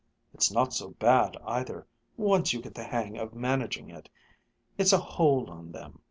It's not so bad either, once you get the hang of managing it it's a hold on them.